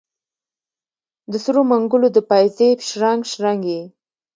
د سرو منګولو د پایزیب شرنګ، شرنګ یې